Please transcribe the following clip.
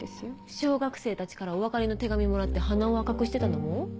小学生たちからお別れの手紙もらって鼻を赤くしてたのも？